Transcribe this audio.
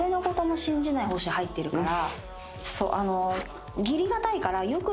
入ってるから。